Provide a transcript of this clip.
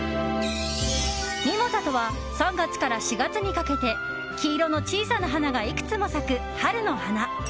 ミモザとは３月から４月にかけて黄色の小さい花がいくつも咲く春の花。